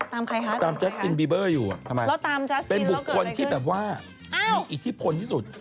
ตามใครคะตามใครคะแล้วทำไมเป็นบุคคลที่แบบว่ามีอิทธิพลที่สุด